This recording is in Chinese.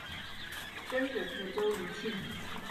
曾祖父周余庆。